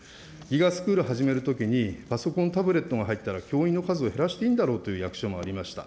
スクール始めるときに、パソコン、タブレットが入ったら教員の数を減らしていいんだろうという役所もありました。